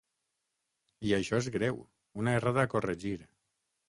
I això és greu, una errada a corregir.